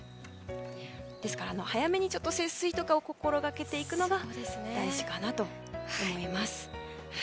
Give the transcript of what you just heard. ですから、早めに節水とかを心がけていくのが大事かなと思います。